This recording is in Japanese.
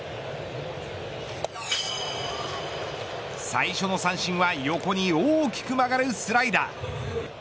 最初の三振は横に大きく曲がるスライダー。